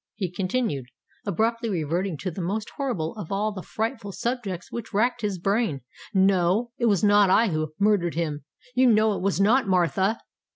he continued, abruptly reverting to the most horrible of all the frightful subjects which racked his brain. "No—it was not I who murdered him—you know it was not, Martha!"